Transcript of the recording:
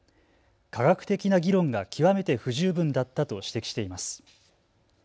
科学的な議論が極めて不十分だったと指摘しています。